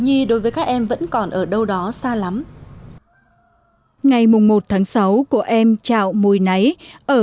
nhi đối với các em vẫn còn ở đâu đó xa lắm ngày mùng một tháng sáu của em trạo mùi náy ở